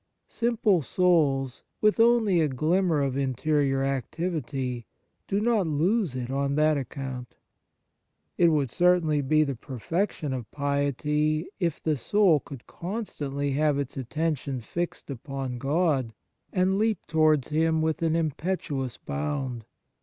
Simple souls, with only a glimmer of interior activity, do not lose it on that account. It would certainly be the perfection of piety if the soul could constantly have its attention fixed upon God, and leap towards him with an im petuous bound.